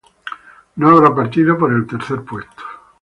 No habrá partido por el tercer puesto.